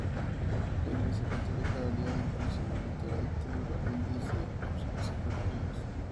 La Iglesia Católica, aliada incondicional de la dictadura, bendice ejecuciones y atropellos.